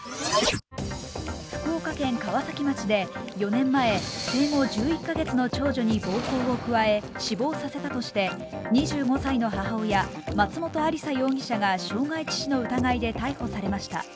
福岡県川崎町で４年前、生後１１カ月の長女に暴行を加え死亡させたとして２５歳の母親、松本亜里沙容疑者が傷害致死の疑いで逮捕されました。